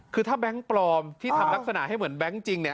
คือถ้าแบงค์ปลอมที่ทำลักษณะให้เหมือนแบงค์จริงเนี่ย